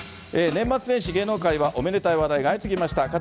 年末年始、芸能界はおめでたい話題が相次ぎました。